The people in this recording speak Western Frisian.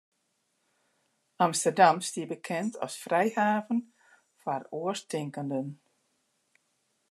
Amsterdam stie bekend as frijhaven foar oarstinkenden.